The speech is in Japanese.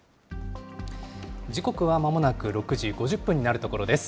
時刻はまもなく６時５０分になるところです。